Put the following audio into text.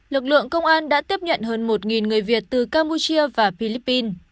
lực lượng công an đã tiếp nhận hơn một người việt từ campuchia và philippines